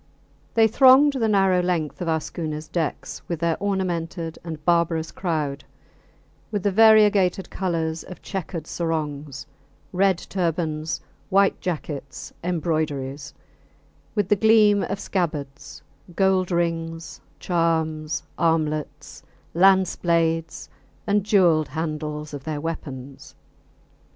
They thronged the narrow length of our schooners decks with their ornamented and barbarous crowd, with the variegated colours of checkered sarongs, red turbans, white jackets, embroideries; with the gleam of scabbards, gold rings, charms, armlets, lance blades, and jewelled handles of their weapons.